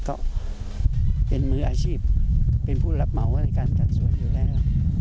ก็เป็นมืออาชีพเป็นผู้รับเหมาในการจัดส่วนอยู่แล้ว